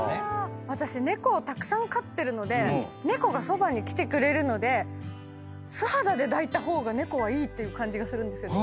私猫をたくさん飼ってるので猫がそばに来てくれるので素肌で抱いた方が猫はいいっていう感じがするんですよね。